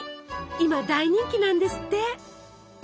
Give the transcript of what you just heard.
今大人気なんですって。